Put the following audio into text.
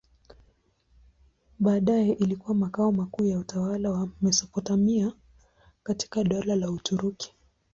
Baadaye ilikuwa makao makuu ya utawala wa Mesopotamia katika Dola la Uturuki.